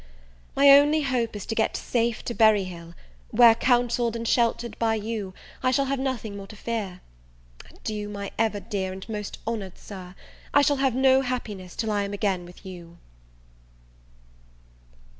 My only hope is to get safe to Berry Hill; where, counselled and sheltered by you, I shall have nothing more to fear. Adieu, my ever dear and most honoured Sir! I shall have no happiness till I am again with you.